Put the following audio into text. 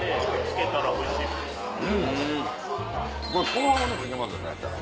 このままでもいけますよ何やったら。